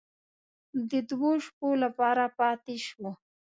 د دوو شپو لپاره پاتې شوو.